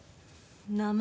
名前？